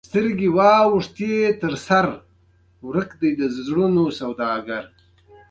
ازادي راډیو د اطلاعاتی تکنالوژي په اړه د خلکو وړاندیزونه ترتیب کړي.